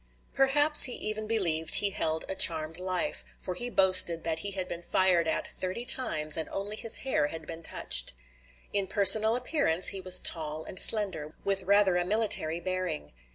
Perhaps he even believed he held a charmed life, for he boasted that he had been fired at thirty times and only his hair had been touched. In personal appearance he was tall and slender, with rather a military bearing.